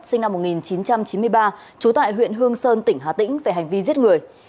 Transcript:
sinh năm một nghìn chín trăm chín mươi ba trú tại huyện hương sơn tỉnh hà tĩnh về hành vi giết người